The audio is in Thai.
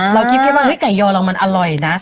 เราคิดแค่ว่าไก่ยอเรามันอร่อยนะ